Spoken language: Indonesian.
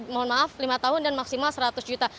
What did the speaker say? mohon maaf lima tahun dan maksimal seratus juta